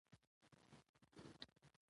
ازادي راډیو د د اوبو منابع ستر اهميت تشریح کړی.